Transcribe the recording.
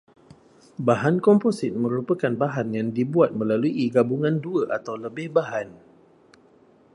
Bahan komposit merupakan bahan yang dibuat melalui gabungan dua atau lebih bahan